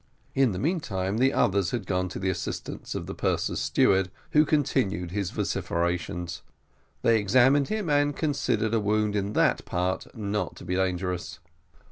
In the meantime, the others had gone to the assistance of the purser's steward, who continued his vociferations. They examined him, and considered a wound in that part not to be dangerous.